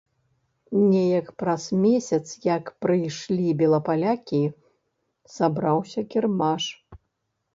Неяк праз месяц, як прыйшлі белапалякі, сабраўся кірмаш.